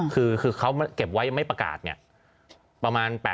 คือเขาเก็บไว้ไม่ประกาศเนี่ยประมาณ๘๐